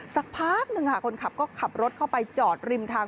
สักพักหนึ่งค่ะคนขับก็ขับรถเข้าไปจอดริมทาง